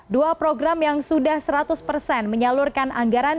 dua program yang sudah seratus persen menyalurkan anggaran